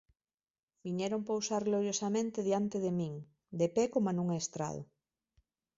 Viñeron pousar gloriosamente diante de min, de pé coma nun estrado.